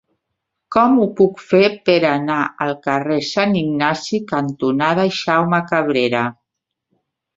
Com ho puc fer per anar al carrer Sant Ignasi cantonada Jaume Cabrera?